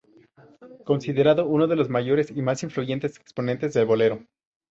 Considerado uno de los mayores y más influyentes exponentes del bolero.